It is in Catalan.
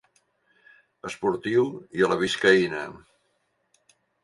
Esportiu, i a la biscaïna.